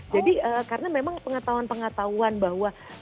jadi karena memang pengetahuan pengetahuan bahwa